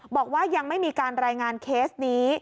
บอกว่ายังไม่มีการรายงานเคสนี้